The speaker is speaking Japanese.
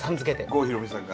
郷ひろみさんが。